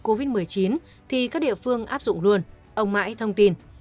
covid một mươi chín thì các địa phương áp dụng luôn ông mãi thông tin